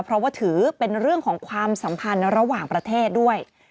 เพราะว่าถือเป็นเรื่องของความสัมพันธ์ระหว่างประเทศด้วย